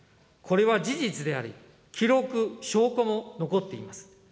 これは事実であり、記録・証拠も残っています。